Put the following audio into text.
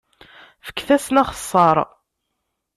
Fket-asen axeṣṣar.